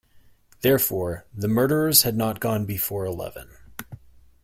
Therefore the murderers had not gone before eleven.